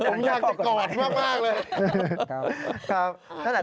ผมอยากจะกอดมากเลย